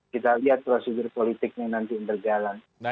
kita lihat prosedur politiknya nanti berjalan